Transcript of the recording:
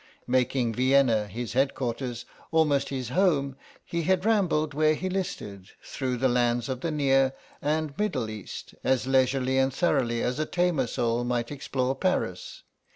Making Vienna his headquarters, almost his home, he had rambled where he listed through the lands of the Near and Middle East as leisurely and thoroughly as tamer souls might explore Paris.